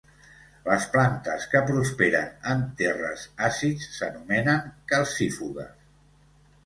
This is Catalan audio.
Les plantes que prosperen en terres àcids s'anomenen calcífugues.